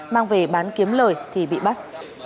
mang về bán kiếm lời thì bị bắt